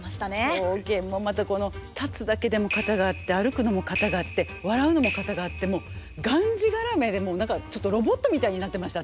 狂言もまたこの立つだけでも型があって歩くのも型があって笑うのも型があってもうがんじがらめで何かちょっとロボットみたいになってました